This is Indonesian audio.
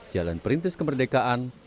jalan perintis kemerdekaan